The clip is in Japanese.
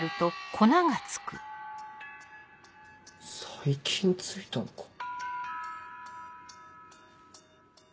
最近付いたのか。